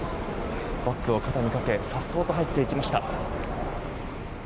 バッグを肩にかけ颯爽と入っていきました。